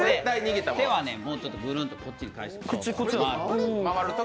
手はもうちょっと、ブルンとこっちに返して。